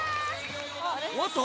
おっと！